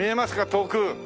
遠く。